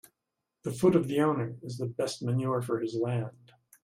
The foot of the owner is the best manure for his land.